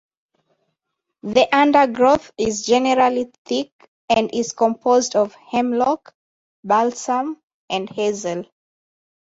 The undergrowth is generally thick and is composed of Hemlock Balsam and Hazel.